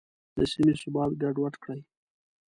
د سیمې ثبات ګډوډ کړي.